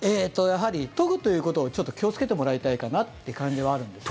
研ぐということを気をつけてもらいたいかなという感じはあるんですよね。